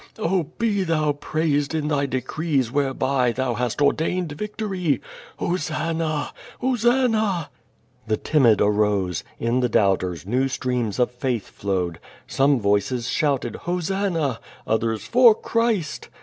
Oh, be Thou praised in Thy decrees whereby Thou hast or dained victory. Ilosanna! Ilosanna!"' The timid arose; in the (bnibters new streams of faith flowed. Some voices shouted Hosanna!" others "For Christ.''